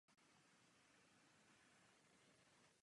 Spolu vytvářejí symbol sjednocení cíle a cesty k cíli.